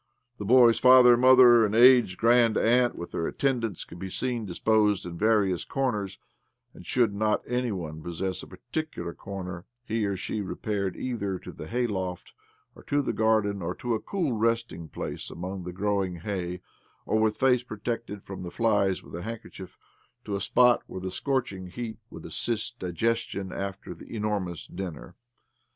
The boy's father, mother, and aged grand aunt, with their attendants, could be seen disposed in various corners ; and, should any one not possess a particular corner, he or she repaired either to the hay loft or to the garden or to a cool resting place among the growing hay or, with face protected from the flies wiA a handkerchief, to a spot where the scorching heat would assist diges tion after the enormous dinner.